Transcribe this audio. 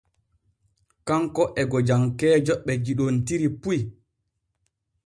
Kanko e gojankeeje ɓe yiɗontiri puy.